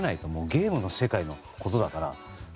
ゲームの世界のことだから。